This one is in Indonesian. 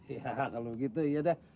iya kalau gitu iya deh